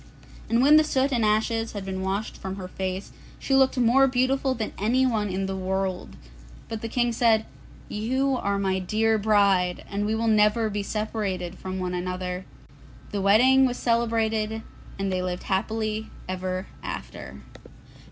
And when the soot and ashes had been washed from her face, she looked more beautiful than anyone in the world. But the King said, 'You are my dear bride, and we will never be separated from one another.' So the wedding was celebrated and they lived happily ever after.